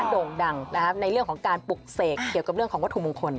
โด่งดังในเรื่องของการปลุกเสกเกี่ยวกับเรื่องของวัตถุมงคล